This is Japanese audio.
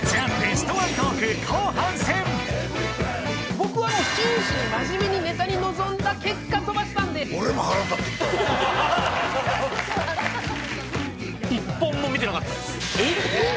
僕はもう真摯に真面目にネタに臨んだ結果飛ばしたんで俺も何でえっ？